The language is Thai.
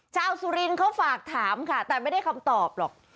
สุรินทร์เขาฝากถามค่ะแต่ไม่ได้คำตอบหรอก